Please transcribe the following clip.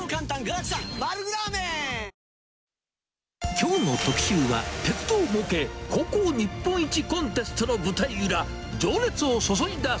きょうの特集は、鉄道模型高校日本一コンテストの舞台裏。